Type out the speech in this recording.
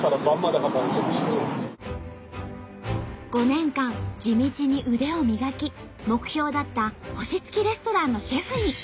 ５年間地道に腕を磨き目標だった星付きレストランのシェフに。